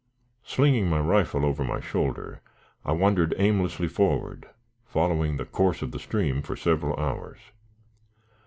Slinging my rifle over my shoulder, I wandered aimlessly forward, following the course of the stream for several hours.